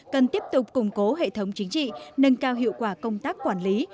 cần tiếp tục củng cố hệ thống chính trị nâng cao hiệu quả công tác quản lý